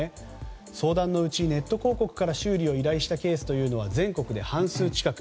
相談のうち、ネット広告から修理を依頼したケースは全国で半数近く。